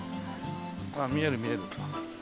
見える見える。